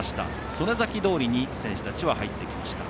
曽根崎通に選手たちは入ってきました。